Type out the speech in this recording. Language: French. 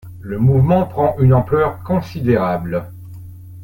Le mouvement prend une ampleur considérable.